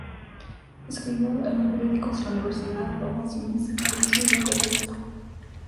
Escribió en los periódicos El Universal, Ovaciones, Excelsior y Por Esto.